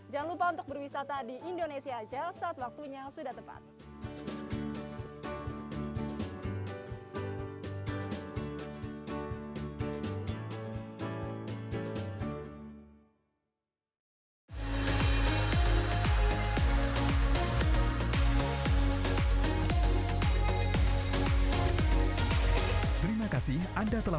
jangan lupa untuk berwisata di indonesia saja saat waktunya sudah tepat